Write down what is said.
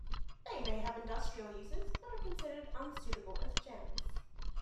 They may have industrial uses but are considered unsuitable as gems.